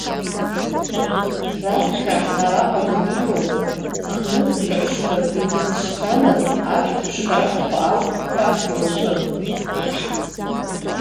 Раԥхьа араҟа данибоз, ԥхны ҵкы ԥшқак изыҵшьцәамыз ашәҭ ԥшқарахқәа алҳәҳәа, илшәын.